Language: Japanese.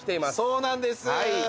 そうなんです！